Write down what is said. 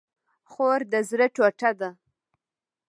خور د زړه ټوټه ده